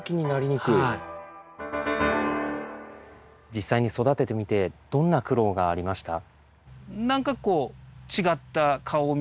実際に育ててみてどんな苦労がありました？